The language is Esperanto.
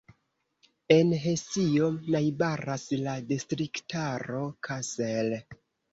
En Hesio najbaras la distriktaro Kassel.